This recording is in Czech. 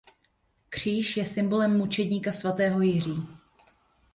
Kříž je symbolem mučedníka svatého Jiří.